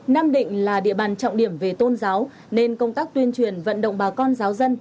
nam định là địa bàn trọng điểm về tôn giáo nên công tác tuyên truyền vận động bà con giáo dân